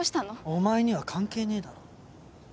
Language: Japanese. お前には関係ねえだろ。